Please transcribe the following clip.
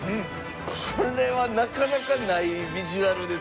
これはなかなかないビジュアルですよ。